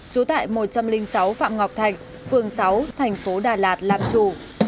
chủ tại một trăm linh sáu phạm ngọc thành phường sáu tp đà lạt làm chủ